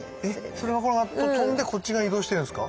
え⁉それが飛んでこっち側に移動してるんですか？